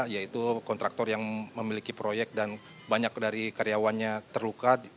yaitu kontraktor yang memiliki proyek dan banyak dari karyawannya terluka